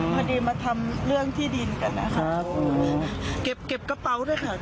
พอดีมาทำเรื่องที่ดินกันนะคะเก็บเก็บกระเป๋าด้วยค่ะ